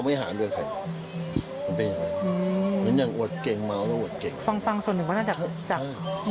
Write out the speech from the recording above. แกเลยงดเหล้าอยู่